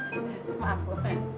singkirkan beban beratmu